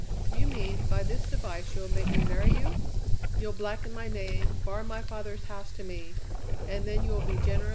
"You mean, by this device you will make me marry you? You'll blacken my name, bar my father's house to me, and then you will be generous and marry me?"